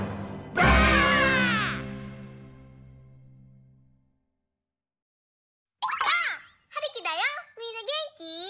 ばあっ！はるきだよみんなげんき？